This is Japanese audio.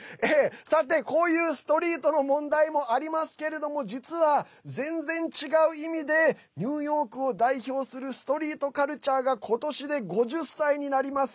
さて、こういうストリートの問題もありますが実は全然違う意味でニューヨークを代表するストリートカルチャーが今年で５０歳になります。